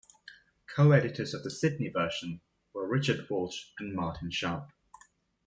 Co-editors of the Sydney version were Richard Walsh and Martin Sharp.